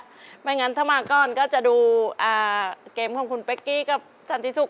ไม่งั้นถ้ามาก้อนก็จะดูเกมของคุณเป๊กกี้กับสันติสุข